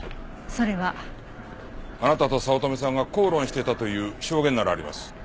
それは。あなたと早乙女さんが口論していたという証言ならあります。